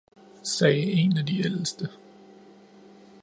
sagde en af de ældste.